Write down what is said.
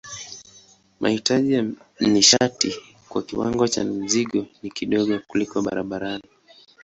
Mahitaji ya nishati kwa kiwango cha mzigo ni kidogo kuliko barabarani.